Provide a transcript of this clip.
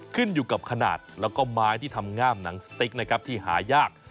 ขึ้นอยู่กับขนาดแล้วก็ไม้ที่ทำง่ามหนังสติ๊กนะครับที่หายาก